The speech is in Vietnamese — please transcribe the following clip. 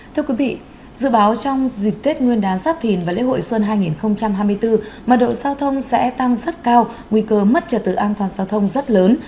thưa quý vị dự báo trong dịp tết nguyên đán giáp thìn và lễ hội xuân hai nghìn hai mươi bốn mà đội giao thông sẽ tăng rất cao nguy cơ mất trật tự an toàn giao thông rất lớn